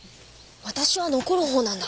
私は残るほうなんだ。